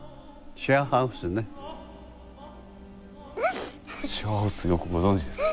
シェアハウスよくご存じですね。